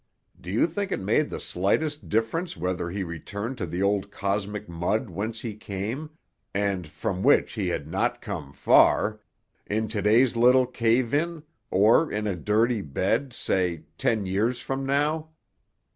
Do you think it made the slightest difference whether he returned to the old cosmic mud whence he came, and from which he had not come far, in to day's little cave in, or in a dirty bed, say ten years from now?